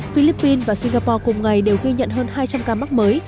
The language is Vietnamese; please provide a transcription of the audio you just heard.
philippines và singapore cùng ngày đều ghi nhận hơn hai trăm linh ca mắc mới